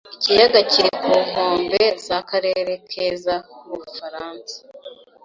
Ikiyaga kiri ku nkombe z'akarere keza k'Ubufaransa